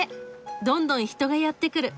どんどん人がやって来る。